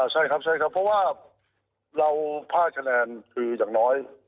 ใช่ครับเพราะว่าเราพลากีระไคร่นอยอยงน้อย